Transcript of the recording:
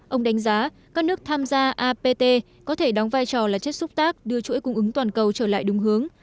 ông đánh giá các nước tham gia apt có thể đóng vai trò là chất xúc tác đưa chuỗi cung ứng toàn cầu trở lại đúng hướng